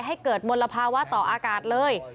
ให้เกิดมลภาวะต่ออากาศเลย